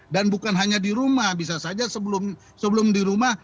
dan bukan hanya di rumah bisa saja sebelum di rumah